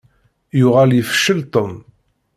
Yuɣal yefcel Tom.